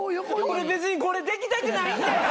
俺別にこれできたくない！